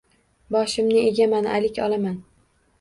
Boshimni egaman, alik olaman.